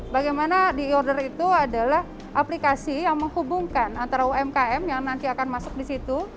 bagaimana di order itu adalah aplikasi yang menghubungkan antara umkm yang nanti akan masuk di situ